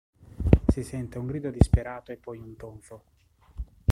Si sente un grido disperato e poi un tonfo.